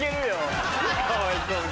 かわいそうに。